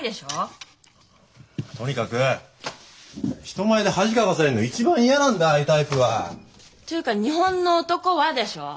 とにかく人前で恥かかされるの一番嫌なんだああいうタイプは。というか「日本の男は」でしょ。